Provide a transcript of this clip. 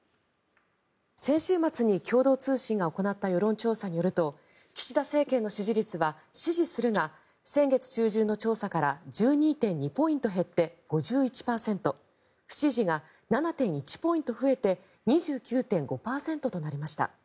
先週末に共同通信が行った世論調査によると岸田政権の支持率は、支持するが先月中旬の調査から１２．２ポイント減って５１％不支持が７．１ポイント増えて２９．５％となりました。